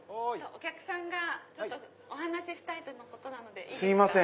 お客さんがお話ししたいとのことなのでいいですか。